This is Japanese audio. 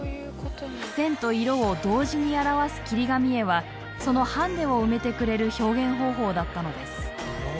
線と色を同時に表す切り紙絵はそのハンデを埋めてくれる表現方法だったのです。